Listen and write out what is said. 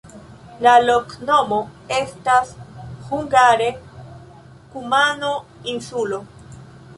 La loknomo estas hungare: kumano-insulo.